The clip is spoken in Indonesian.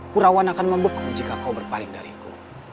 purawan akan membeku jika kau berpaling dariku